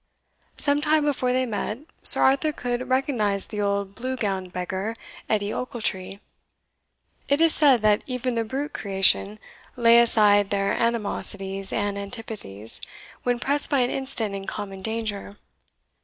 Some time before they met, Sir Arthur could recognise the old blue gowned beggar, Edie Ochiltree. It is said that even the brute creation lay aside their animosities and antipathies when pressed by an instant and common danger.